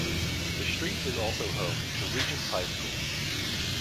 The street is also home to Regent High School.